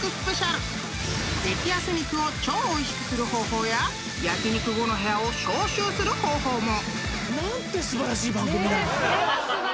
［激安肉を超おいしくする方法や焼き肉後の部屋を消臭する方法も］